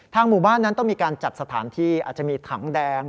หมู่บ้านนั้นต้องมีการจัดสถานที่อาจจะมีถังแดง